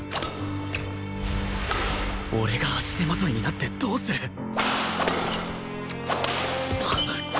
俺が足手まといになってどうする！？